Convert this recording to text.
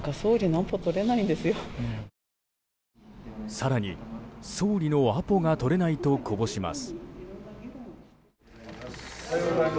更に、総理のアポが取れないとこぼします。